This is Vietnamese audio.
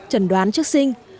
trần đoán trước sinh